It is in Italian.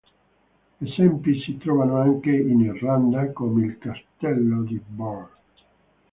Esempi si trovano anche in Irlanda, come al Castello di Birr.